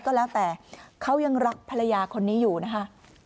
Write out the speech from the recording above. ก็แล้วแต่เขายังรักภรรยาคนนี้อยู่นะคะ